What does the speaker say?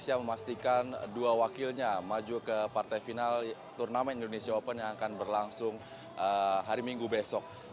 yang memastikan dua wakilnya maju ke partai final turnamen indonesia open yang akan berlangsung hari minggu besok